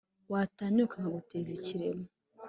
watanyuka nkaguteza ikiremo,